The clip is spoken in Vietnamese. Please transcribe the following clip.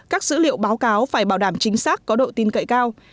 các dữ liệu báo cáo phải bảo đảm chính xác có độ tin cậy cao